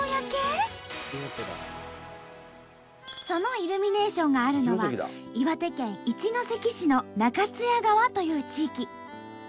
そのイルミネーションがあるのは岩手県一関市の中津谷川という地域。